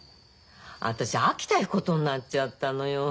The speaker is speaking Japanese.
私秋田行くことになっちゃったのよ。